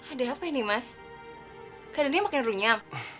ada apa ini mas kadannya makin runyam